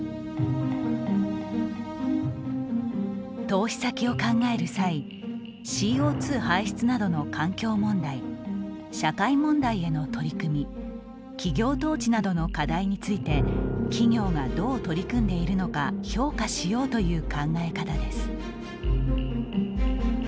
投資先を考える際ＣＯ排出などの環境問題社会問題への取り組み企業統治などの課題について企業がどう取り組んでいるのか評価しようという考え方です。